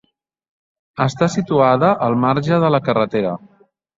Està situada al marge de la carretera.